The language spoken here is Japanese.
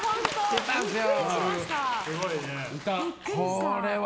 これは、○。